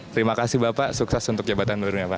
terima kasih bapak sukses untuk jabatan barunya pak